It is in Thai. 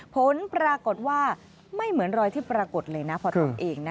ผลปรากฏว่าไม่เหมือนรอยที่ปรากฏเลยนะพอทำเองนะ